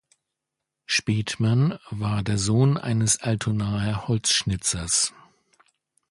Spethmann war der Sohn eines Altonaer Holzschnitzers.